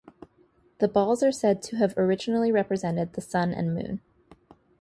The balls are said to have originally represented the sun and moon.